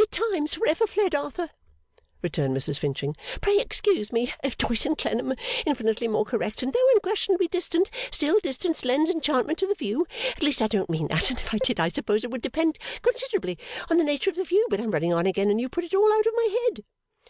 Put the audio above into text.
'In times for ever fled Arthur,' returned Mrs Finching, 'pray excuse me Doyce and Clennam infinitely more correct and though unquestionably distant still 'tis distance lends enchantment to the view, at least I don't mean that and if I did I suppose it would depend considerably on the nature of the view, but I'm running on again and you put it all out of my head.